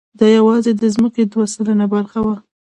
دا یواځې د ځمکې دوه سلنه برخه وه.